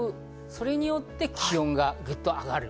それによって気温がぐっと上がる。